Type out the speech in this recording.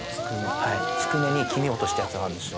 つくねに黄身を落としたやつがあるんですよ。